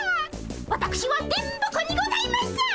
わたくしは電ボ子にございます！